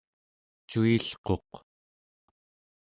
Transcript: cuilquq